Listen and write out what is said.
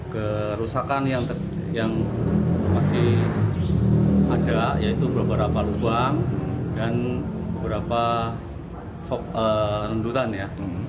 kerusakan yang masih ada yaitu beberapa lubang dan beberapa rendutan ya